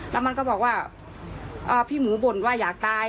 แล้วมันก็บอกว่าพี่หมูบ่นว่าอยากตาย